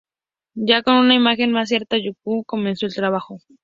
Ya con una imagen más cierta, Yupanqui comenzó el trabajo.